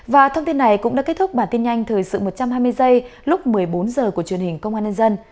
và thông tin này cũng đã kết thúc bản tin nhanh thời sự một trăm hai mươi giây lúc một mươi bốn h của truyền hình công an nhân dân